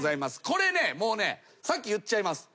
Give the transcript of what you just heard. これねもうね先言っちゃいます。